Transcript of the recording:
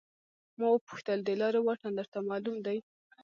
ما وپوښتل د لارې واټن درته معلوم دی.